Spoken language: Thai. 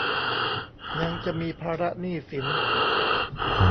ยังจะมีภาระหนี้สิน